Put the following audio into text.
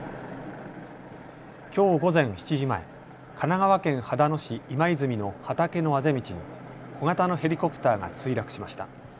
きょう午前７時前、神奈川県秦野市今泉の畑のあぜ道に小型のヘリコプターが墜落しました。